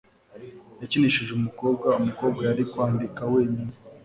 Yakinishije umukobwa umukobwa yari kwandika wenyine